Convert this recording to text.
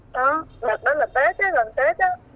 đợt đó là tết ấy gần tết á